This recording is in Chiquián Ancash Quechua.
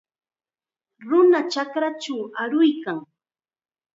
Nuna chakrachaw aruykan.